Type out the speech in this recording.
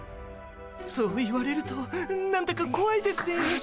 そう言われると何だかこわいですね。